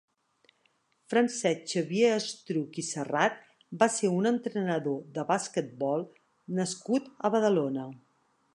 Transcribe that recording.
Francesc Xavier Estruch i Serrat va ser un entrenador de basquetbol nascut a Badalona.